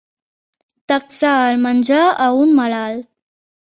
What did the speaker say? Taxar el menjar a un malalt.